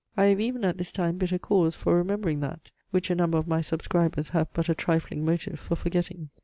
I have even at this time bitter cause for remembering that, which a number of my subscribers have but a trifling motive for forgetting.